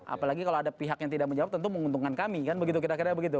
apalagi kalau ada pihak yang tidak menjawab tentu menguntungkan kami kan begitu kira kira begitu